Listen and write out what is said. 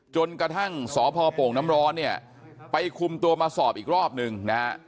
จนกระทั่งสพโป่งน้ำร้อนเนี่ยไปคุมตัวมาสอบอีกรอบนึงนะฮะ